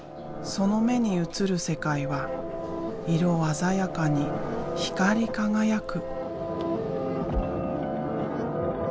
その目に映る世界は色鮮やかに光り輝く。